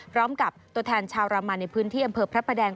พร้อมกับตัวแทนชาวรามันในพื้นที่อำเภอพระประแดง